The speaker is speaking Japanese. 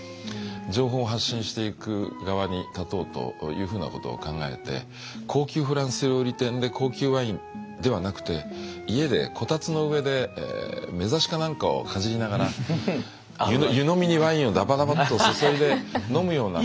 情報を発信していく側に立とうというふうなことを考えて高級フランス料理店で高級ワインではなくて家でこたつの上でめざしか何かをかじりながら湯飲みにワインをダバダバッと注いで飲むような。